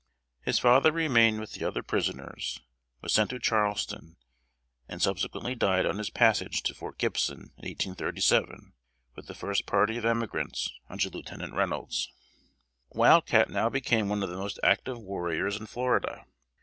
His father remained with the other prisoners was sent to Charleston; and subsequently died on his passage to Fort Gibson in 1837, with the first party of emigrants under Lieut. Reynolds. Wild Cat now became one of the most active warriors in Florida.